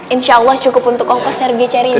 insya allah cukup untuk ongkos serge cari ibunya